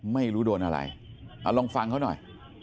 ไม่รู้โดนอะไรเอาลองฟังเขาหน่อย